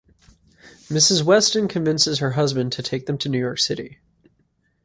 Mrs. Weston convinces her husband to take them to New York City.